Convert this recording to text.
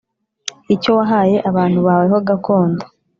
icyo wahaye abantu bawe ho gakondo.